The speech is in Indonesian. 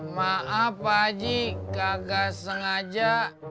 maaf pak haji kagak sengaja